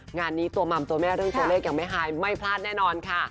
งานนี้ตัวมัมตัวแม่เรื่องตัวเลขยังไม่หายไม่พลาดแน่นอนค่ะ